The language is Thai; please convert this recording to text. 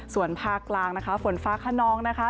ส่วนภาคกลางนะคะฝนฟ้าขนองนะคะ